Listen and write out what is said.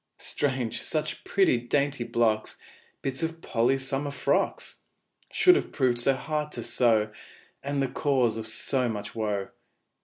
Strange such pretty, dainty blocks Bits of Polly's summer frocks Should have proved so hard to sew, And the cause of so much woe!